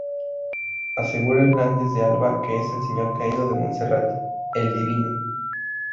Asegura Hernández de Alba que es El Señor Caído de Monserrate ¡El divino!